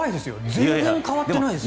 全然変わってないですよ。